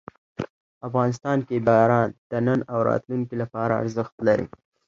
افغانستان کې باران د نن او راتلونکي لپاره ارزښت لري.